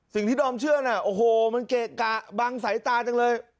ดอมเชื่อน่ะโอ้โหมันเกะกะบังสายตาจังเลย